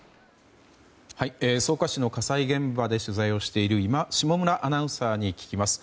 草加市の火災現場で取材をしている下村アナウンサーに聞きます。